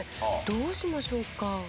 どうしましょうか？